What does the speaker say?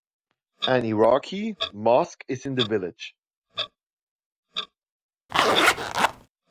An Iraqi mosque is in the village.